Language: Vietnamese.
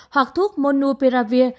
hoặc thuốc monopiravir